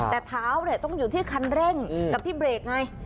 แต่เท้าต้องอยู่ที่คันเร่งกับที่เบรกไง